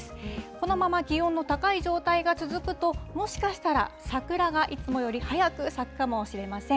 このまま気温の高い状態が続くと、もしかしたら、桜がいつもより早く咲くかもしれません。